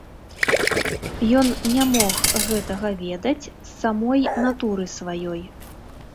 Ён не мог гэтага ведаць з самой натуры сваёй.